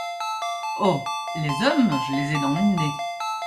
Oh ! les hommes !… je les ai dans le nez !…